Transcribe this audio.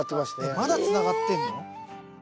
まだつながってんの？